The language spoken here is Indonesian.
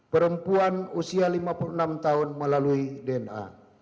perempuan usia lima puluh enam tahun melalui dna